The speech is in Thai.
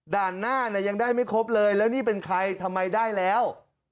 หน้าเนี่ยยังได้ไม่ครบเลยแล้วนี่เป็นใครทำไมได้แล้ว